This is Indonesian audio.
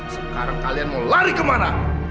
sekarang kalian mau lari kemana